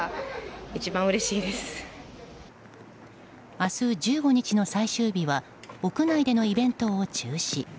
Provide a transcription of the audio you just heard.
明日１５日の最終日は屋内でのイベントを中止。